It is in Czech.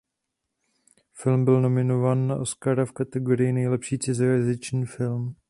Film byl nominován na Oscara v kategorii nejlepší cizojazyčný film.